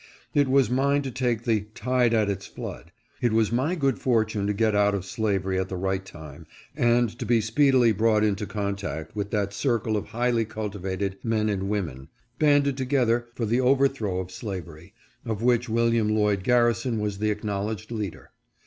It was mine to take the "Tide at its flood." It was my good fortune to get out of slavery at the right time, and to be speedily brought into contact with that circle of highly cultivated men and women, banded together for the overthrow of slavery, of which Wm. Lloyd Garrison was the acknowledged leader.